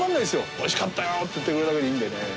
おいしかったよって言ってくれるだけでいいんでね。